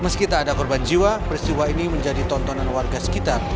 meski tak ada korban jiwa peristiwa ini menjadi tontonan warga sekitar